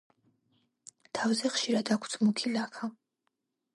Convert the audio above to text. თავზე ხშირად აქვთ მუქი ლაქა.